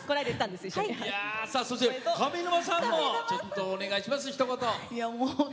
そして上沼さんからもお願いします。